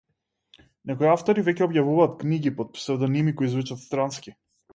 Некои автори веќе објавуваат книги под псевдоними кои звучат странски.